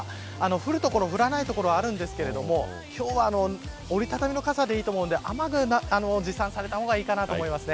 降る所、降らない所はあるんですが今日は折り畳みの傘でいいと思うので雨具持参された方がいいかなと思います。